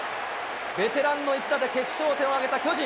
ベテランの一打で決勝点を挙げた巨人。